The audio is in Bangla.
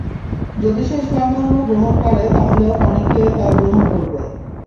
যদি সে ইসলাম ধর্ম গ্রহণ করে তাহলে অনেকে তা গ্রহণ করবে।